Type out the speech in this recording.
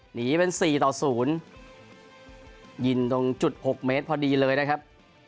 หนีเป็นสี่ต่อศูนย์ยิงตรงจุด๖เมตรพอดีเลยนะครับ